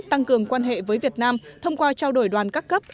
tăng cường quan hệ với việt nam thông qua trao đổi đoàn các cấp